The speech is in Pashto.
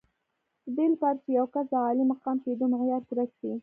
د دې لپاره چې یو کس د عالي مقام کېدو معیار پوره کړي.